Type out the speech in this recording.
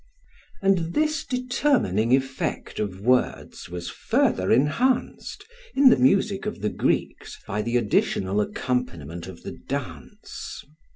And this determining effect of words was further enhanced, in the music of the Greeks, by the additional accompaniment of the dance.